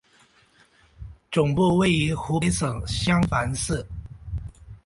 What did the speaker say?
总部位于湖北省襄樊市。